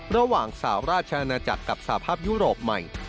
ระหว่างสาวราชอาณาจักรกับสหภาพยุโรปใหม่